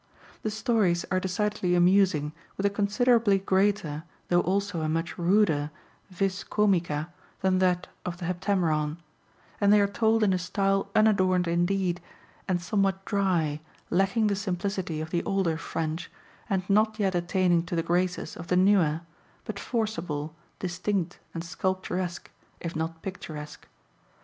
The stories are decidedly amusing, with a considerably greater, though also a much ruder, vis comica than that of the Heptameron; and they are told in a style unadorned indeed, and somewhat dry, lacking the simplicity of the older French, and not yet attaining to the graces of the newer, but forcible, distinct, and sculpturesque, if not picturesque.